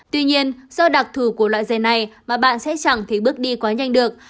tuy nhiên do đặc thủ của loại giày này mà bạn sẽ chẳng thấy bước đi quá nhanh được